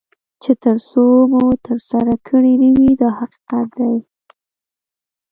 چې تر څو مو ترسره کړي نه وي دا حقیقت دی.